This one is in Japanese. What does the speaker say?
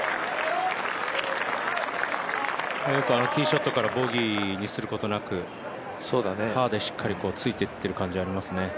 よくティーショットからボギーにすることなくパーでしっかりついていってる感じがありますね。